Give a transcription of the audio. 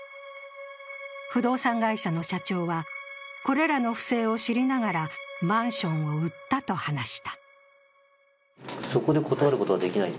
不動産会社の社長は、これらの不正を知りながらマンションを売ったと話した。